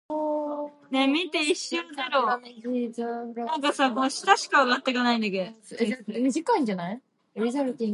She voiced Haru's Mother in the English dub of "The Cat Returns".